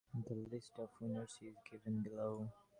The list of winners is given below.